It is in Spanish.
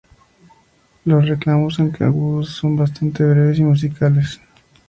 Los reclamos, aunque agudos, son bastante breves y musicales.